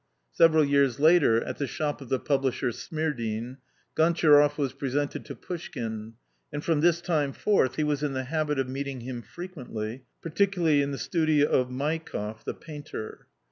Several years later, at the shop of the publisher Smirdine, Gontcharoff was presented to Pouschkine, and from this time forth he was in the habit of meeting him frequently, particularly in the studio of Maikoff, the painter.